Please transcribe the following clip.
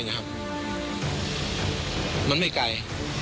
โปรดติดตามตอนต่อไป